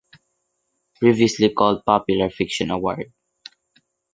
Previously called Popular Fiction Award.